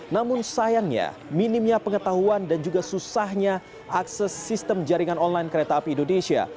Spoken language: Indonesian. namun sayangnya minimnya pengetahuan dan juga susahnya akses sistem jaringan online kereta api indonesia